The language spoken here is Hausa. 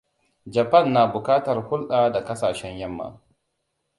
Japan na buƙatar hulɗa da ƙasashen yamma.